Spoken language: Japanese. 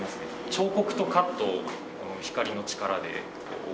彫刻とカットを光の力で行うという。